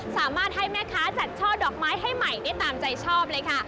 สามารถให้แม่ค้าจัดช่อดอกไม้ให้ใหม่ได้ตามใจชอบเลยค่ะ